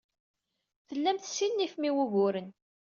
Tellam tessinifem i wuguren.